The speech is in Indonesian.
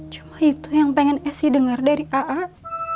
cuma itu yang pengen esy denger dari aak